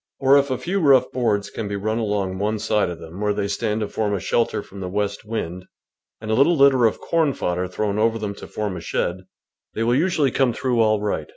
Or if a few rough boards can be run along one side of them where they stand to form a shel ter from the west wind and a little litter of corn fodder thrown over them to form a shed, they will usually come through all right.